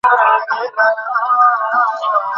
মারান পৌছানোর আগে তাকে খুঁজে বের করো।